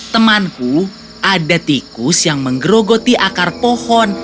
temanku ada tikus yang menggerogoti akar pohon